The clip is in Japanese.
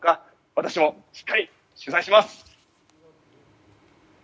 私もしっかり取材します！